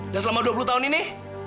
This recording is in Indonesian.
dan selama dua puluh tahun ini